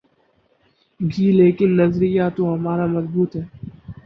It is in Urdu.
گی لیکن نظریہ تو ہمارا مضبوط ہے۔